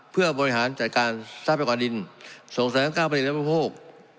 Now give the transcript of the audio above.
๕เผื่อบริหารจัดการทรัพยากรดินสงสัยเก้าการละบริหลักบริโปรโภค